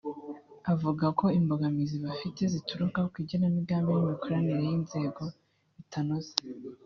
avuga ko imbogamizi bafite zituruka ku igenamigambi n’imikoranire y’inzego bitanoze